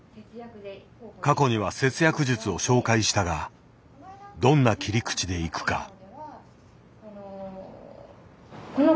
過去には節約術を紹介したがどんな切り口でいくか。